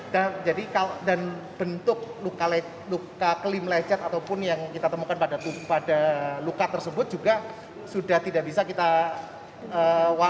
dan jadi kalau dan bentuk luka kelim lecet ataupun yang kita temukan pada luka tersebut juga sudah tidak bisa kita